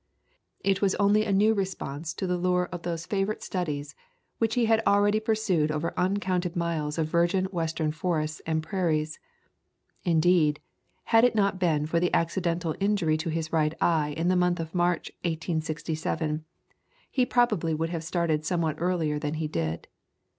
It was only a new response to the lure of those favor ite studies which he had already pursued over uncounted miles of virgin Western forests and prairies. Indeed, had it not been for the acci dental injury to his right eye in the month of March, 1867, he probably would have started somewhat earlier than he did.